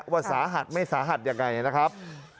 ว่าสาหัสไม่สาหัสยังไงนะครับ